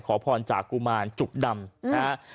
ขอพรจากกุมารจุกดำนะฮะ